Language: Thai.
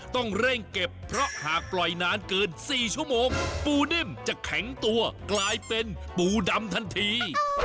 ต้องเร่งเก็บเพราะหากปล่อยนานเกิน๔ชั่วโมงปูนิ่มจะแข็งตัวกลายเป็นปูดำทันที